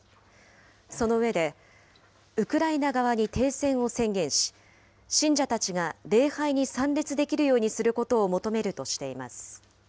その上で、ウクライナ側に停戦を宣言し、信者たちが礼拝に参列できるようにすることを求めるとしています。